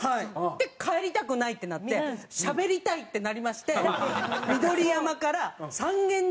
で帰りたくないってなってしゃべりたいってなりまして緑山から三軒茶屋まで移動しまして。